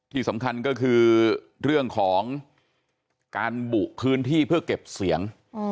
ที่สำคัญก็คือเรื่องของการบุพื้นที่เพื่อเก็บเสียง